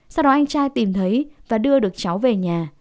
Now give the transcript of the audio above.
sau đó anh trai tìm thấy và đưa được cháu về nhà